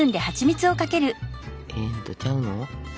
ええんとちゃうの。